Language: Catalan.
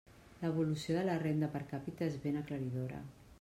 L'evolució de la renda per càpita és ben aclaridora.